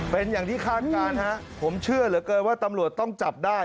เป็นอย่างที่คาดการณ์ฮะผมเชื่อเหลือเกินว่าตำรวจต้องจับได้